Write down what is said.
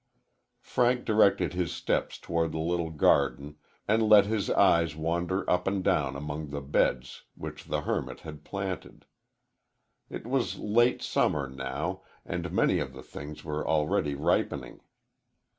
Frank directed his steps toward the little garden and let his eyes wander up and down among the beds which the hermit had planted. It was late summer now, and many of the things were already ripening.